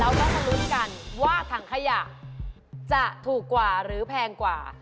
แล้วก็สรุปกันว่าถังขยะจะถูกกว่าหรือแพงกว่า